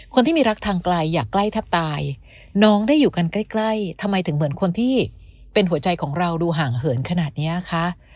คนที่มีรักทางไกลอยากใกล้แทบตายน้องได้อยู่กันใกล้ทำไมถึงเหมือนคนที่เป็นหัวใจของเราดูห่างเหินขนาดเนี้ยคะ